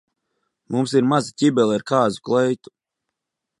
Mums ir maza ķibele ar kāzu kleitu.